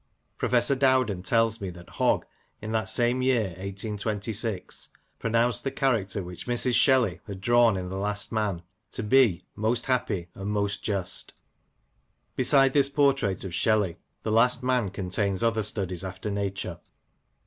Professor Dowden tells me that Hogg, in that same year 1826, pronounced the character which Mrs. Shelley had drawn in The Last Man to be " most happy and most just." Beside this portrait of Shelley, The Last Man contains other studies after nature.